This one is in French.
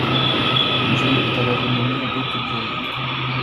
Le jeu est alors renommé Go to Jail.